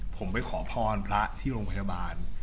ผมไปขอพรพระที่โรงพยาบาล